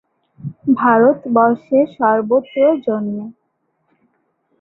ভারতবর্ষের সর্বত্র জন্মে।